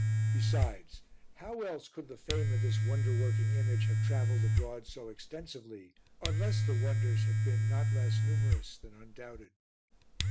Besides, how else could the fame of this wonder working image have travelled abroad so extensively unless the wonders had been not less numerous than undoubted?